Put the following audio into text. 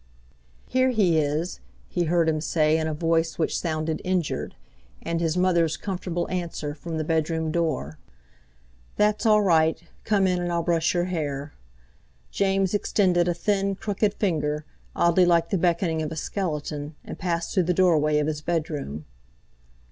"Here he is!" he heard him say in a voice which sounded injured, and his mother's comfortable answer from the bedroom door: "That's all right. Come in, and I'll brush your hair." James extended a thin, crooked finger, oddly like the beckoning of a skeleton, and passed through the doorway of his bedroom.